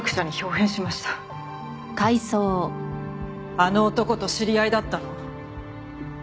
あの男と知り合いだったの？